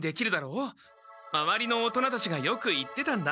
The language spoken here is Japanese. まわりの大人たちがよく言ってたんだ。